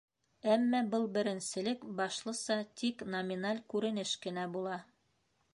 Әммә был беренселек, башлыса, тик номиналь күренеш кенә була.